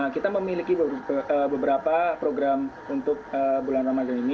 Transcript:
kita memiliki beberapa program untuk bulan ramadhan ini